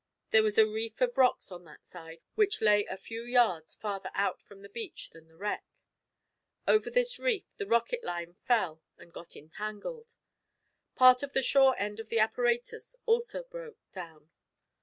There was a reef of rocks on that side which lay a few yards farther out from the beach than the wreck. Over this reef the rocket line fell and got entangled. Part of the shore end of the apparatus also broke down.